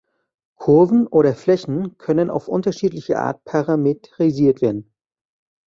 Kurven oder Flächen können auf unterschiedliche Art parametrisiert werden.